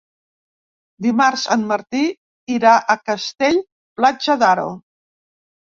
Dimarts en Martí irà a Castell-Platja d'Aro.